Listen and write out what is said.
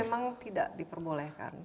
ini memang tidak diperbolehkan